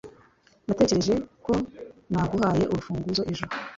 natekereje ko naguhaye urufunguzo ejo